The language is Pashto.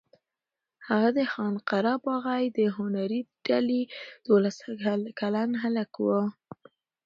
هغه د خان قره باغي د هنري ډلې دولس کلن هلک و.